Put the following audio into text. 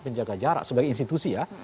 menjaga jarak sebagai institusi